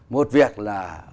một việc là